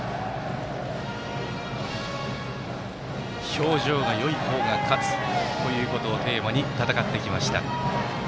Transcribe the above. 表情がよい方が勝つということをテーマに戦ってきました。